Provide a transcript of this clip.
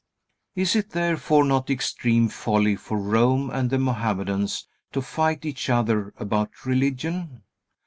Is it therefore not extreme folly for Rome and the Mohammedans to fight each other about religion?